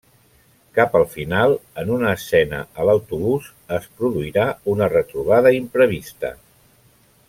Cap al final, en una escena a l'autobús, es produirà una retrobada imprevista.